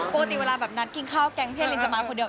ปกติเวลาแบบนัดกินข้าวแก๊งเพศลินจะมาคนเดียว